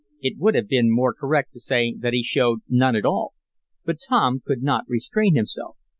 It would have been more correct to say that he showed none at all. But Tom could not restrain himself.